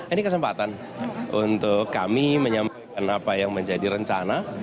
ini kesempatan untuk kami menyampaikan apa yang menjadi rencana